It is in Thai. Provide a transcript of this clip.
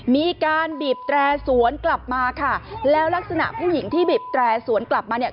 มีการบีบแตรสวนกลับมาค่ะแล้วลักษณะผู้หญิงที่บีบแตรสวนกลับมาเนี่ย